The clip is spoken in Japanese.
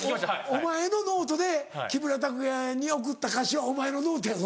お前のノートで木村拓哉に贈った歌詞はお前のノートやぞ。